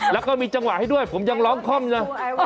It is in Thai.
แล้วก็มีจังหวะให้ด้วยผมยังร้องค่อมเลย